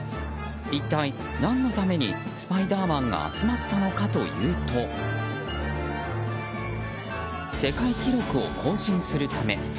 一体、何のためにスパイダーマンが集まったのかというと世界記録を更新するため。